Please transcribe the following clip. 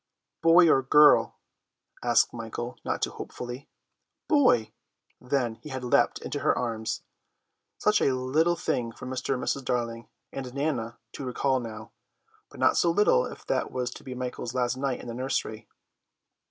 "Boy or girl?" asked Michael, not too hopefully. "Boy." Then he had leapt into her arms. Such a little thing for Mr. and Mrs. Darling and Nana to recall now, but not so little if that was to be Michael's last night in the nursery.